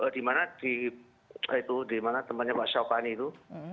di mana temannya pak syaw kani itu